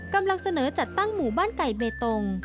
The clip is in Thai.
กำลังเสนอจัดตั้งหมู่บ้านไก่เบตง